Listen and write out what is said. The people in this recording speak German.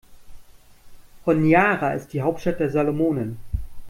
Honiara ist die Hauptstadt der Salomonen.